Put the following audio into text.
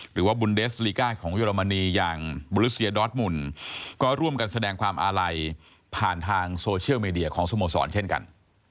หรือว่าบุญเดสลิก้าของเยอรมนีอย่างบุริเซียดอสมุนก็ร่วมกันแสดงความอาลัยผ่านทางโซเชียลมีเดียของสโมสรเช่นกัน